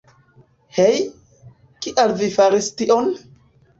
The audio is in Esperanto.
Hej, kial vi faris tion?